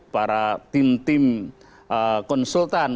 para tim tim konsultan